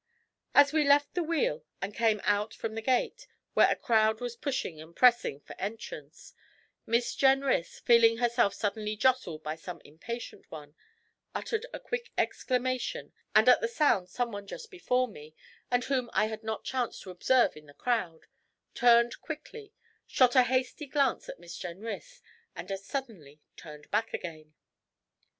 As we left the wheel and came out from the gate, where a crowd was pushing and pressing for entrance, Miss Jenrys, feeling herself suddenly jostled by some impatient one, uttered a quick exclamation, and at the sound someone just before me, and whom I had not chanced to observe in the crowd, turned quickly, shot a hasty glance at Miss Jenrys, and as suddenly turned back again.